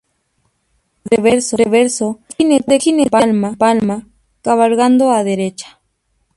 En el reverso, un jinete con palma, cabalgando a derecha.